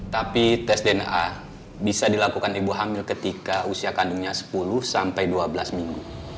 tapi tes dna bisa dilakukan ibu hamil ketika usia kandungnya sepuluh sampai dua belas minggu